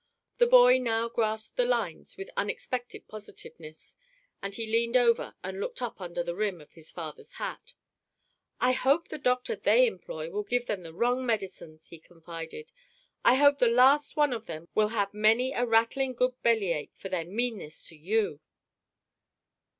The boy now grasped the lines with unexpected positiveness; and he leaned over and looked up under the rim of his father's hat: "I hope the doctor they employ will give them the wrong medicines," he confided. "I hope the last one of them will have many a rattling good bellyache for their meanness to you!"